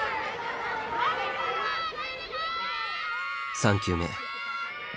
３球目。